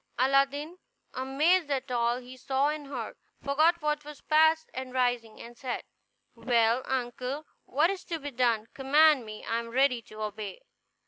Aladdin, amazed at all he saw and heard, forgot what was past, and, rising, said: "Well, uncle, what is to be done? Command me, I am ready to obey."